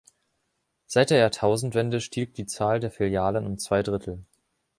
Seit der Jahrtausendwende stieg die Zahl der Filialen um zwei Drittel.